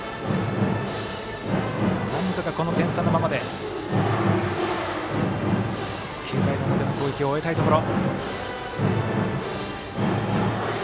なんとかこの点差のままで９回の表の攻撃を終えたいところ。